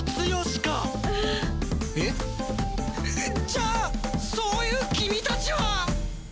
じゃあそういう君たちは！